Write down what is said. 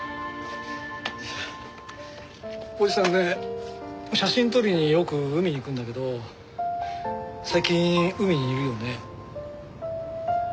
おじさんね写真撮りによく海に行くんだけど最近海にいるよね。